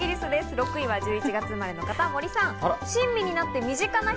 ６位は１１月生まれの方、森さん。